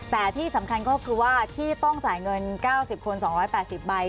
แต่ที่สำคัญก็คือว่าที่ต้องจ่ายเงิน๙๐คน๒๘๐ใบ